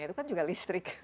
itu kan juga listrik